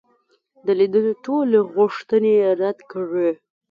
د لیدلو ټولي غوښتني یې رد کړې.